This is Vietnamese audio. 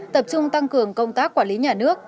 tập trung tăng cường công tác quản lý nhà nước